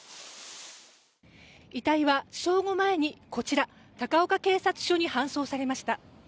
遺体は正午前にこちら高岡警察署に搬送されました。